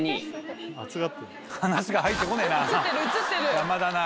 邪魔だな。